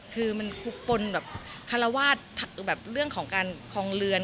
คือมันคูปปลนเขาระวาดเรื่องของการคองเรือน